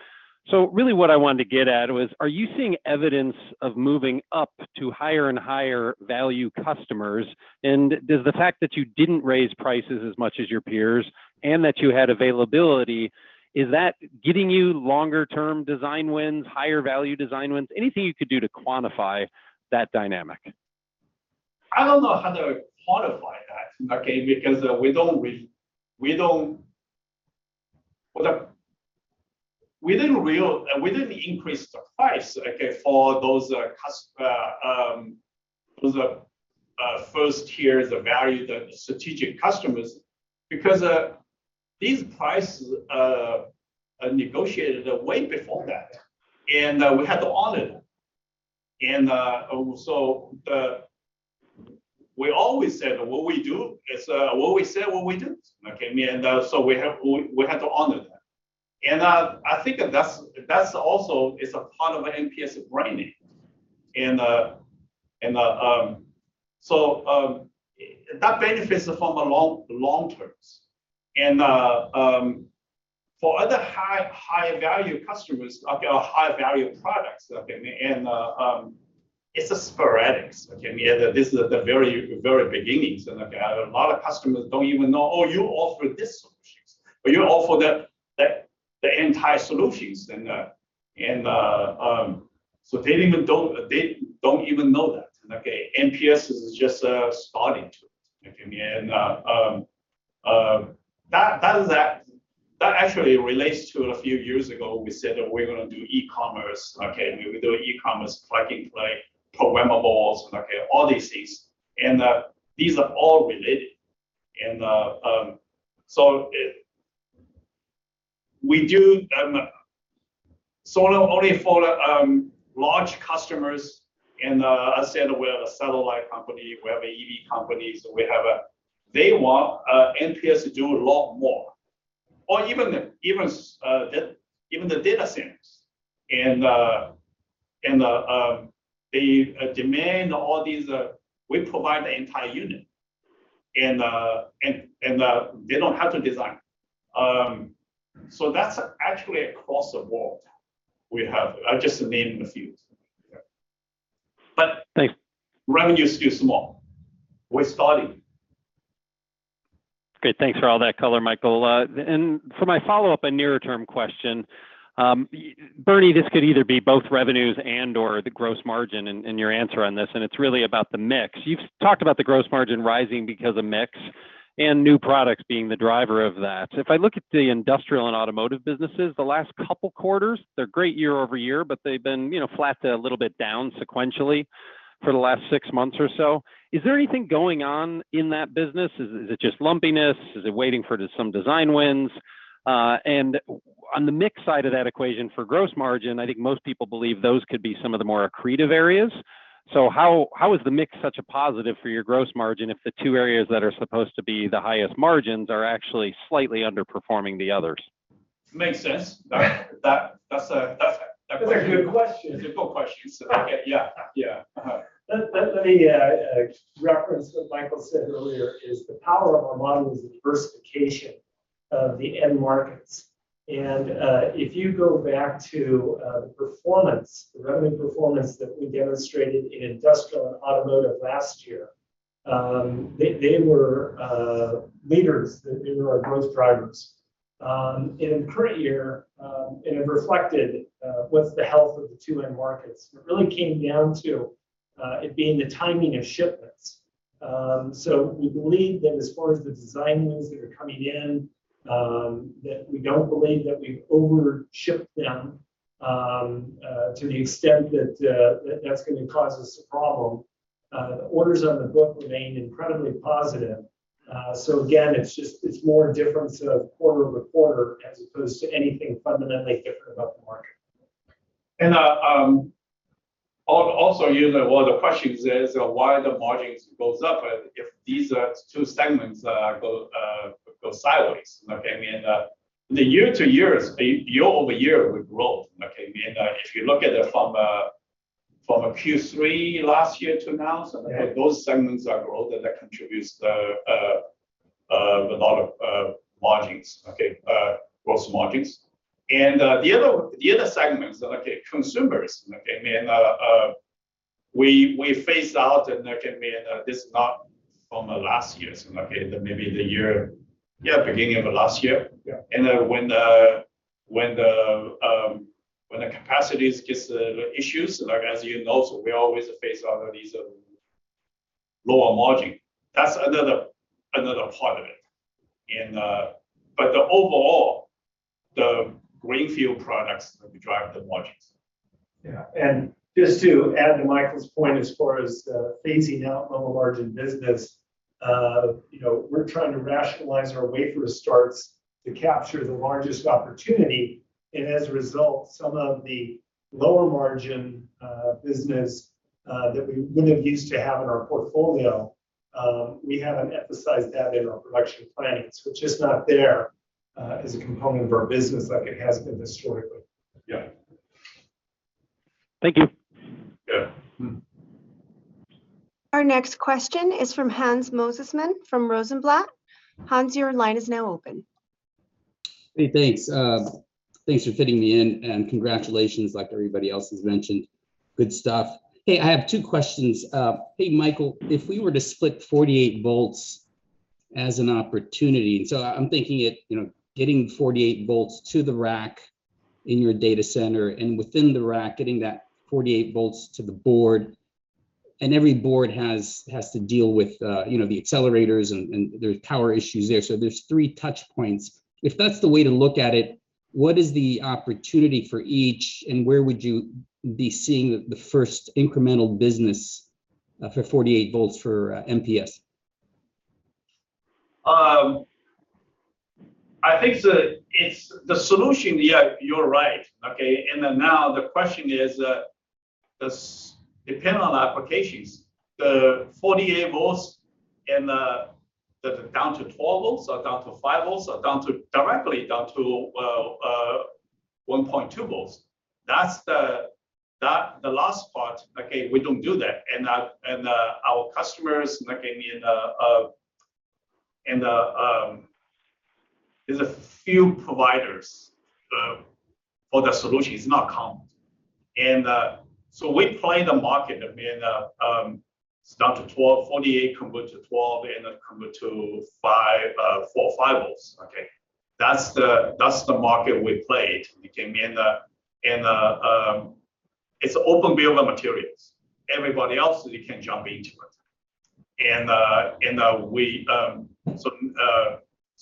Speaker 11: Really what I wanted to get at was, are you seeing evidence of moving up to higher and higher value customers? Does the fact that you didn't raise prices as much as your peers and that you had availability, is that getting you longer term design wins, higher value design wins? Anything you could do to quantify that dynamic?
Speaker 3: I don't know how to quantify that, okay, because we didn't increase the price, okay, for those first tier, the value, the strategic customers because these prices negotiated way before that. We had to honor them. We always said what we do is what we said what we do. Okay. We had to honor that. I think that's also is a part of MPS branding. That benefits from the long terms. For other high value customers, okay, or high value products, okay, it's a sporadic, okay. I mean, this is the very beginnings. Okay, a lot of customers don't even know, "Oh, you offer this solutions, but you offer the entire solutions." They don't even know that. Okay. MPS is just starting to it. Okay. That actually relates to a few years ago, we said that we're going to do e-commerce. Okay. We were doing e-commerce plug and play programmable. Okay, all these things. We do sort of only for large customers. I said we have a satellite company, we have a EV company, so we have a. They want MPS to do a lot more. Even the data centers demand all these. We provide the entire unit and they don't have to design. That's actually across the board we have. I've just named a few.
Speaker 11: Thanks
Speaker 3: Revenue is still small. We're starting.
Speaker 11: Great. Thanks for all that color, Michael. And for my follow-up and near term question, Bernie, this could either be both revenues and or the gross margin in your answer on this, and it's really about the mix. You've talked about the gross margin rising because of mix and new products being the driver of that. If I look at the industrial and automotive businesses the last couple quarters, they're great year-over-year, but they've been, you know, flat to a little bit down sequentially for the last six months or so. Is there anything going on in that business? Is it just lumpiness? Is it waiting for some design wins? And on the mix side of that equation for gross margin, I think most people believe those could be some of the more accretive areas. How is the mix such a positive for your gross margin if the two areas that are supposed to be the highest margins are actually slightly underperforming the others?
Speaker 3: Makes sense. That's a.
Speaker 2: That's a good question.
Speaker 3: It's a good question. Okay. Yeah.
Speaker 2: Let me reference what Michael said earlier. The power of our model is the diversification of the end markets. If you go back to the performance, the revenue performance that we demonstrated in industrial and automotive last year, they were leaders. They were our growth drivers. In the current year, it reflected what's the health of the two end markets. It really came down to it being the timing of shipments. We believe that as far as the design wins that are coming in, that we don't believe that we've over-shipped them to the extent that that's gonna cause us a problem. The orders on the book remain incredibly positive. Again, it's more difference of quarter-over-quarter as opposed to anything fundamentally different about the market.
Speaker 3: Also, you know, one of the questions is why the margins goes up if these two segments go sideways, okay? I mean, year over year we've grown, okay? I mean, if you look at it from Q3 last year to now
Speaker 2: Yeah
Speaker 3: Some of those segments are growth that contributes a lot of margins, okay? Gross margins. The other segments, okay, consumers, okay? I mean, we phased out, and I mean, this is not from the last year, so, okay, maybe the year. Yeah, beginning of the last year.
Speaker 2: Yeah.
Speaker 3: When the capacity gets issues, like as you know, so we always phase out this lower margin. That's another part of it. The overall greenfield products will be driving the margins.
Speaker 2: Yeah. Just to add to Michael's point as far as phasing out lower margin business, you know, we're trying to rationalize our wafer starts to capture the largest opportunity, and as a result, some of the lower margin business that we would've used to have in our portfolio, we haven't emphasized that in our production planning, which is not there as a component of our business like it has been historically.
Speaker 3: Yeah.
Speaker 12: Thank you.
Speaker 3: Yeah.
Speaker 12: Mm.
Speaker 1: Our next question is from Hans Mosesmann from Rosenblatt. Hans, your line is now open.
Speaker 12: Hey, thanks for fitting me in, and congratulations like everybody else has mentioned. Good stuff. Hey, I have two questions. Hey, Michael, if we were to split 48 volts as an opportunity, so I'm thinking it, you know, getting 48 volts to the rack in your data center, and within the rack, getting that 48 volts to the board, and every board has to deal with, you know, the accelerators and there's power issues there. So, there's three touch points. If that's the way to look at it, what is the opportunity for each, and where would you be seeing the first incremental business for 48 volts for MPS?
Speaker 3: I think the solution, yeah, you're right, okay? The question is, does depend on the applications. The 48 volts and the down to 12 volts or down to 5 volts or down to directly down to, well, 1.2 volts, that's the last part, okay, we don't do that. Our customers, like, I mean, and there's a few providers for that solution. It's not common. We play the market. I mean, down to 12, 48 converts to 12, and then convert to 5, 4 or 5 volts, okay? That's the market we played. I mean, it's open bill of materials. Everybody else can jump into it.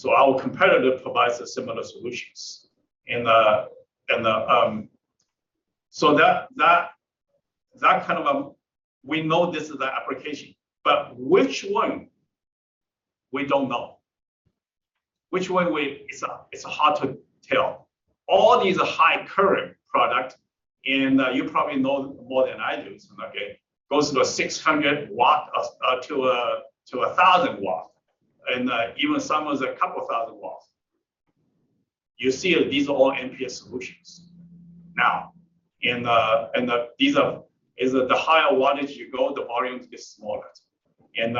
Speaker 3: Our competitor provides similar solutions. We know this is the application. But which one? We don't know. It's hard to tell. All these are high current product, and you probably know more than I do. Okay, goes to 600 watts to 1,000 watts, and even some is a couple thousand watts. You see these are all MPS solutions. As the higher wattage you go, the volume gets smaller. In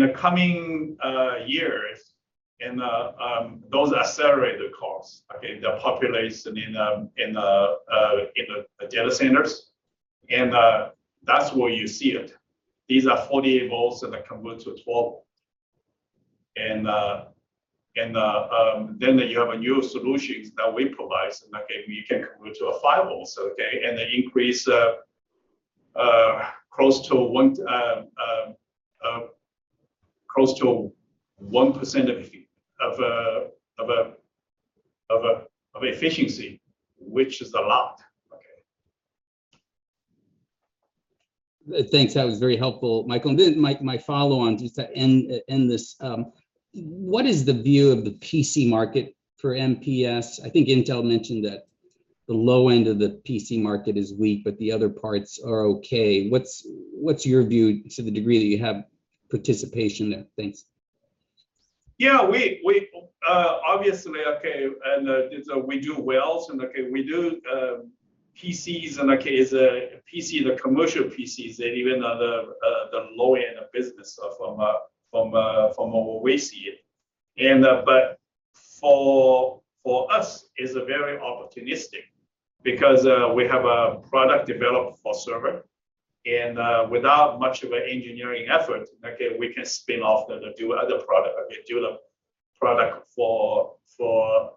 Speaker 3: the coming years and those accelerator costs, okay, the population in the data centers, and that's where you see it. These are 48 volts that convert to a 12 volts. Then you have new solutions that we provide, so in that case you can convert to 5 volts, okay? The increase close to 1% of efficiency, which is a lot, okay?
Speaker 12: Thanks. That was very helpful, Michael. My follow-on just to end this, what is the view of the PC market for MPS? I think Intel mentioned that the low end of the PC market is weak, but the other parts are okay. What's your view to the degree that you have participation there? Thanks.
Speaker 3: Yeah, we obviously, we do well, and we do PCs, and the commercial PCs, and even the low end of business from where we see it. But for us it's very opportunistic because we have a product developed for server, and without much of an engineering effort, we can spin off that or do other product, do the product for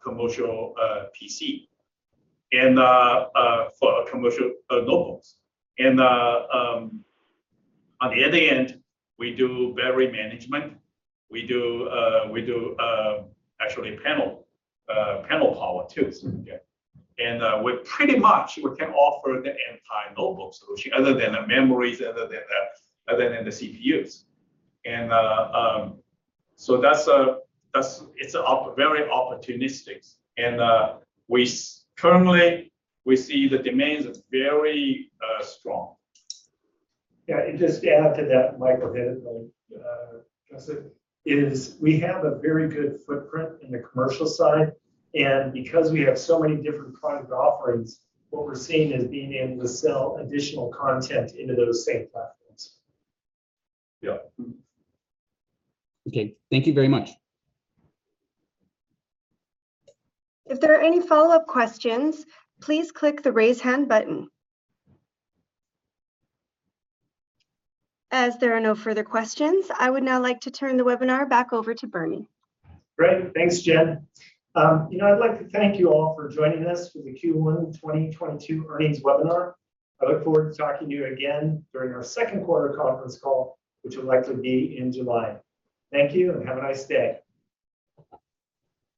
Speaker 3: commercial PC and for commercial notebooks. On the other end, we do battery management. We do actually panel power too, so yeah. We pretty much can offer the entire notebook solution other than the memories, other than the CPUs. That's it. It's very opportunistic. We currently see the demands are very strong.
Speaker 2: Yeah, just to add to that, Michael, a bit, like, Justin is we have a very good footprint in the commercial side. Because we have so many different product offerings, what we're seeing is being able to sell additional content into those same platforms.
Speaker 3: Yeah.
Speaker 12: Okay. Thank you very much.
Speaker 1: If there are any follow-up questions, please click the raise hand button. As there are no further questions, I would now like to turn the webinar back over to Bernie.
Speaker 2: Great. Thanks, Gen. You know, I'd like to thank you all for joining us for the Q1 2022 Earnings Webinar. I look forward to talking to you again during our second quarter conference call, which will likely be in July. Thank you and have a nice day.